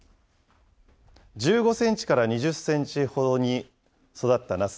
１５センチから２０センチほどに育ったナス。